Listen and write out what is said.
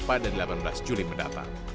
pada delapan belas juli mendatang